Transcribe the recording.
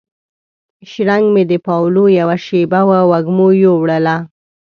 شرنګ مې د پاولو یوه شیبه وه وږمو یووړله